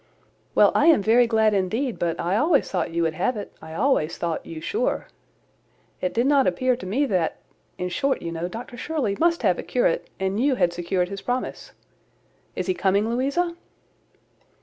"Well, I am very glad indeed: but I always thought you would have it; I always thought you sure. It did not appear to me that—in short, you know, Dr Shirley must have a curate, and you had secured his promise. Is he coming, Louisa?"